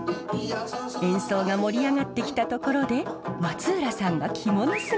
演奏が盛り上がってきたところで松浦さんが着物姿で登場！